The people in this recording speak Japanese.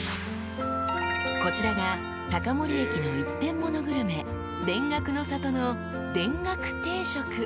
［こちらが高森駅の一点モノグルメ田楽の里の］